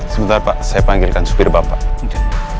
sebentar pak saya panggilkan supir bapak mungkin